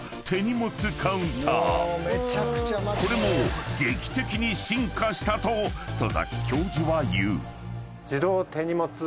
［これも劇的に進化したと戸崎教授は言う］